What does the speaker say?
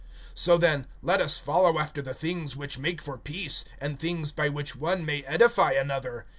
(19)So then, let us follow after the things which make for peace, and things by which one may edify another.